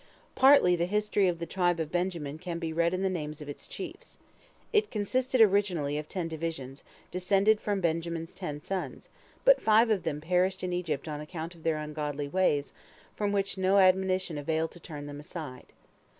Partly the history of the tribe of Benjamin can be read in the names of its chiefs. It consisted originally of ten divisions, descended from Benjamin's ten sons, but five of them perished in Egypt on account of their ungodly ways, from which no admonition availed to turn them aside.